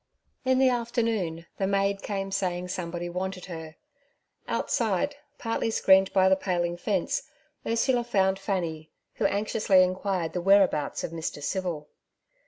In the afternoon the maid came saying somebody wanted her. Outside, partly screened by the paling fence, Ursula found Fanny, who anxiously inquired the whereabouts of Mr. Civil.